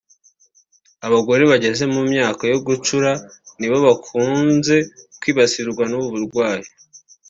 Abagore bageze mu myaka yo gucura(menopause) nibo bakunze kwibasirwa n’ubu burwayi